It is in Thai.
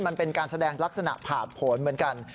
มันเป็นการแสดงลักษณะผ่าผลเหมือนกัน